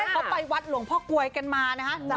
เขาไปวัดหลวงพ่อกลวยกันมานะฮะ